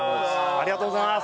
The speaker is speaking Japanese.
ありがとうございます。